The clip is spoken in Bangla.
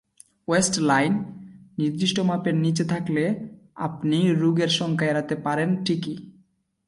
ওয়েস্ট লাইন নির্দিষ্ট মাপের নিচে থাকলে আপনি রোগের শঙ্কা এড়াতে পারেন ঠিকই।